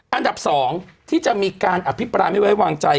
อันดับ๒ที่จะมีการอภิปรายไม่ไว้วางใจ